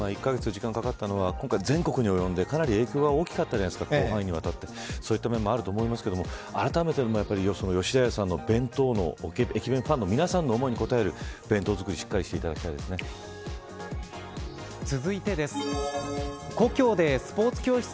１カ月時間がかかったのは今回、全国に及んでかなり影響が大きかったじゃないですかそういった面もあると思いますけどあらためて吉田屋さんの駅弁ファンの皆さんの思いに応える弁当作りをしっかり続いてです。